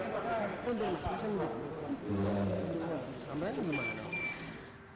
pihak dirjen dukcapil kemendagri mengizinkan petugas tps untuk melakukan pemeriksaan keabsahan ktp tersebut